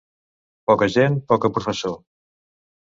Poca gent, poca professó.